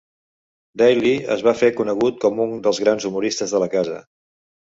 Daly es va fer conegut com un dels grans humoristes de la casa.